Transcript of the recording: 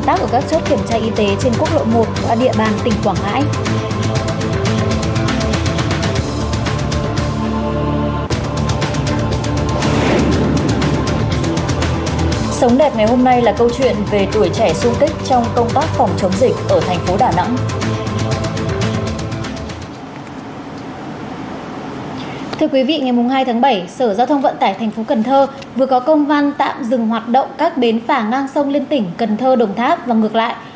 thưa quý vị ngày hai tháng bảy sở giao thông vận tải tp cần thơ vừa có công văn tạm dừng hoạt động các bến phà ngang sông liên tỉnh cần thơ đồng tháp và ngược lại